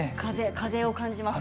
風を感じますね。